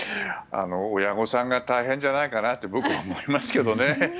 親御さんが大変じゃないかなって僕は思いますけどね。